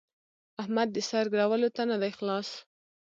احمد د سر ګرولو ته نه دی خلاص.